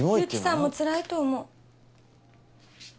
由岐さんもつらいと思う。